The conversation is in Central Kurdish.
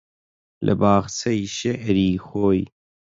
لە باخچەی شێعری خۆی